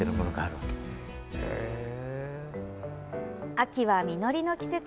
秋は、実りの季節。